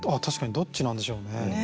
どっちなんでしょうね。